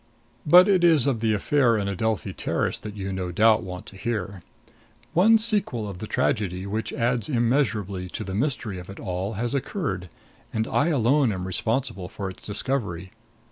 But it is of the affair in Adelphi Terrace that you no doubt want to hear. One sequel of the tragedy, which adds immeasurably to the mystery of it all, has occurred, and I alone am responsible for its discovery.